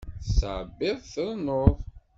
Tettɛebbiḍ trennuḍ.